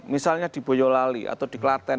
misalnya di boyolali atau di klaten